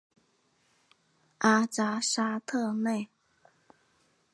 阿扎沙特内。